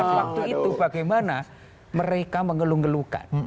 waktu itu bagaimana mereka menggelung gelungkan